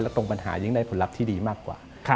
ตรงปัญหายิ่งได้ผลลัพธ์ที่ดีมากกว่า